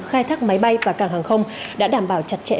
khai thác máy bay và cảng hàng không đã đảm bảo chặt chẽ